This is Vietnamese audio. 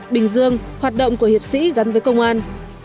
bình dương hoạt động của hiệp sĩ gắn với công an